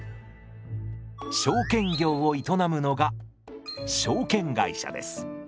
証券業を営むのが証券会社です。